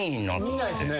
・見ないっすね。